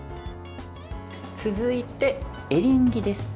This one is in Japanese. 続いて、エリンギです。